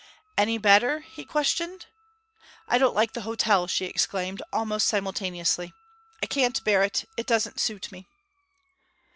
'Any better?' he questioned. 'I don't like the hotel,' she exclaimed, almost simultaneously. 'I can't bear it it doesn't suit me!'